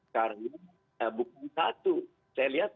karena bukan satu saya lihat